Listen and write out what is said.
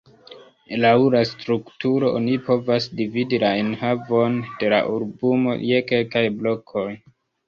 Laŭ la strukturo oni povas dividi la enhavon de la albumo je kelkaj blokoj.